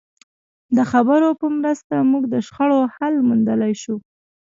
د خبرو په مرسته موږ د شخړو حل موندلای شو.